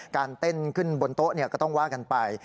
การเต้นขึ้นบนโต๊ะก็ต้องว่ากันไป